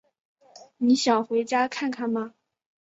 你想回家看看吗？